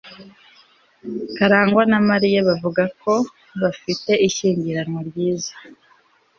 karangwa na mariya bavuga ko bafite ishyingiranwa ryiza